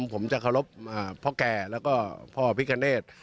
ผมจะเคารพพ่อแก่แล้วก็พ่อพิกเนธ